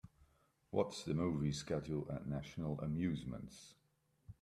what's the movie schedule at National Amusements